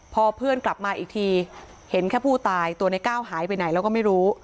พอเพื่อนกลับมาอีกทีเห็นแค่ผู้ตายตัวในก้าวหายไปไหนแล้วก็ไม่รู้